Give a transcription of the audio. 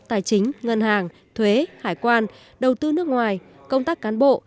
tài chính ngân hàng thuế hải quan đầu tư nước ngoài công tác cán bộ